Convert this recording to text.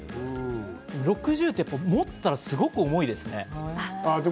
６０って、持ったらすごく重いですね。